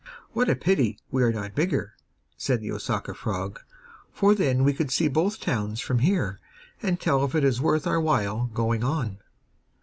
'What a pity we are not bigger,' said the Osaka frog; 'for then we could see both towns from here, and tell if it is worth our while going on.